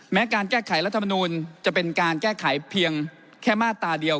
การแก้ไขรัฐมนูลจะเป็นการแก้ไขเพียงแค่มาตราเดียว